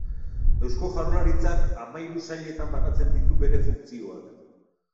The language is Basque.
Eusko Jaurlaritzak hamahiru sailetan banatzen ditu bere funtzioak.